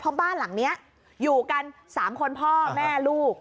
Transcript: เพราะบ้านหลังนี้อยู่กัน๓คนพ่อแม่ลูก